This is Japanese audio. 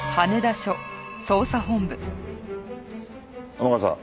天笠